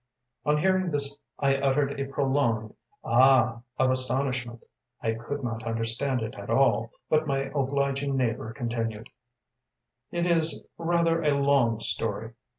‚ÄĚ On hearing this I uttered a prolonged “A h!‚ÄĚ of astonishment. I could not understand it at all, but my obliging neighbor continued: “It is rather a long story.